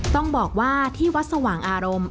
ต้องบอกว่าที่วัดสว่างอารมณ์